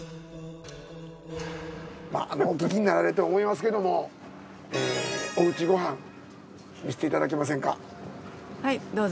もうお聞きになられてると思いますけどもお家ご飯見せていただけませんか。